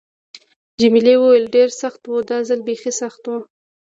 جميلې وويل:: ډېر سخت و، دا ځل بیخي سخت و.